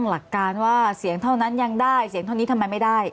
หลักการว่าเสียงเท่านั้นยังได้เสียงเท่านี้ทำไมไม่ได้